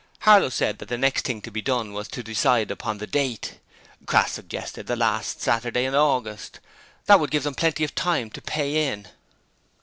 Harlow said that the next thing to be done was to decide upon the date. Crass suggested the last Saturday in August. That would give them plenty of time to pay in.